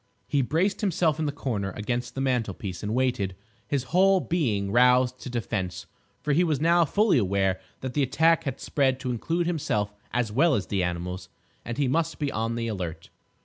He braced himself in the corner against the mantelpiece and waited, his whole being roused to defence, for he was now fully aware that the attack had spread to include himself as well as the animals, and he must be on the alert.